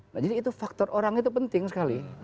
nah jadi itu faktor orang itu penting sekali